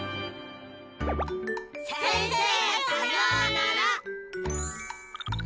先生さようなら。